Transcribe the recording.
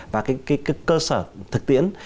và cơ sở thực tiễn